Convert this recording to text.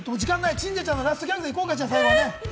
鎮西ちゃんのラストギャグで行こうか、最後ね。